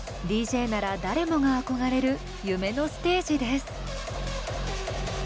ＤＪなら誰もが憧れる夢のステージです。